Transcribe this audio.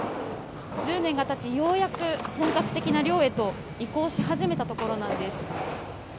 １０年がたち、ようやく本格的な漁へと移行し始めたところなんです。